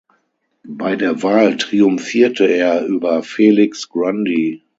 Bei der Wahl triumphierte er über Felix Grundy.